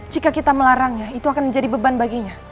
jika kita melarangnya itu akan menjadi beban baginya